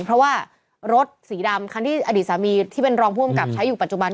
เพราะว่ารถสีดำคันที่อดีตสามีที่เป็นรองผู้อำกับใช้อยู่ปัจจุบัน